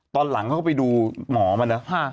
ตอนหลังเขาก็ไปดูหมอมานะ